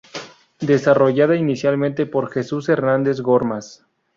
Desarrollada inicialmente por Jesús Hernández Gormaz.